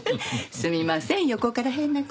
すみません横から変な事。